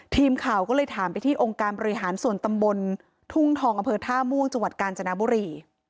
ทีมข่าวก็เลยถามไปที่องค์การบริหารส่วนตำบลทุ่งทองอำเภอท่าม่วงจังหวัดกาญจนบุรี